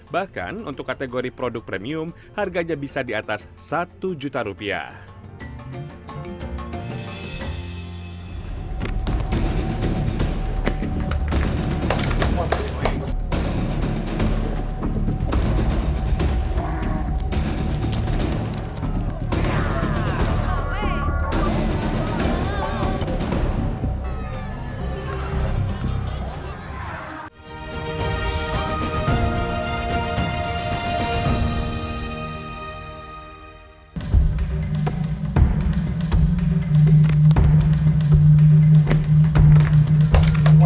bahkan untuk kategori produk premium harganya bisa di atas satu juta rupiah